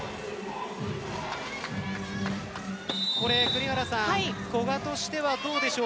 栗原さん古賀としてはどうでしょう。